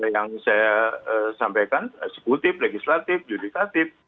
yang saya sampaikan eksekutif legislatif judikatif